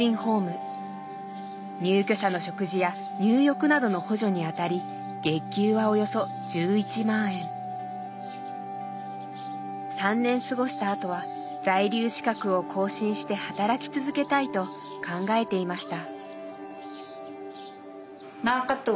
入居者の食事や入浴などの補助にあたり３年過ごしたあとは在留資格を更新して働き続けたいと考えていました。